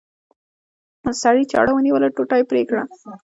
سړي چاړه ونیوله ټوټه یې پرې کړه.